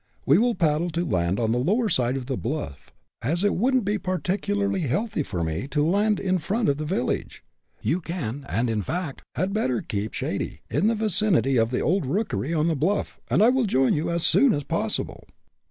We will paddle to land on the lower side of the bluff, as it wouldn't be particularly healthy for me to land in front of the village. You can, and in fact, had better keep shady, in the vicinity of the old rookery on the bluff, and I will join you, as soon as possible."